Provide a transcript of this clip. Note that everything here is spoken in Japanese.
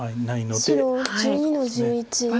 白１２の十一オシ。